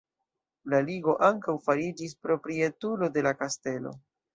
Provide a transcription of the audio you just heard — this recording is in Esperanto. La ligo ankaŭ fariĝis proprietulo de la kastelo.